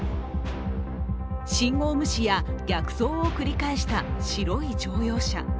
信号無視や逆送を繰り返した白い乗用車。